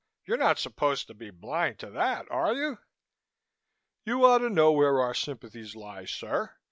You're not supposed to be blind to that, are you?" "You ought to know where our sympathies lie, sir!"